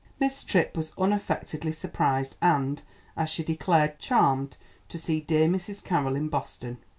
Miss Tripp was unaffectedly surprised and, as she declared, "charmed" to see dear Mrs. Carroll in Boston.